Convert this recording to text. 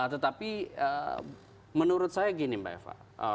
tetapi menurut saya gini mbak eva